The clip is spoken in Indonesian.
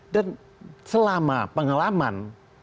dan selama pengalaman